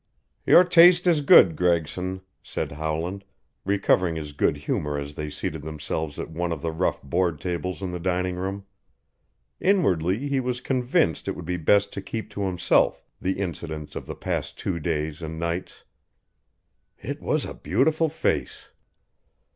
"Your taste is good, Gregson," said Howland, recovering his good humor as they seated themselves at one of the rough board tables in the dining room. Inwardly he was convinced it would be best to keep to himself the incidents of the past two days and nights. "It was a beautiful face."